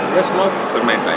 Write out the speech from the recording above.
ya semua bermain baik